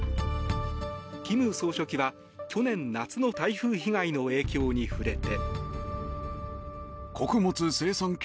金総書記は去年夏の台風被害の影響に触れて。